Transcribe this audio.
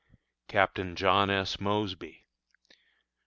Captain John S. Mosby.